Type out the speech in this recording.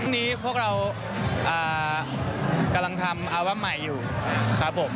วันนี้พวกเรากำลังทำอัลบั้มใหม่อยู่ครับผม